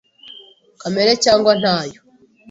kamera cyangwa ntayo.